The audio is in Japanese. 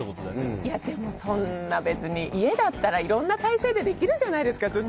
でも、そんな別に家だったらいろんな体勢でできるじゃないですか。